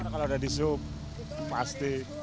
kalau udah dishub pasti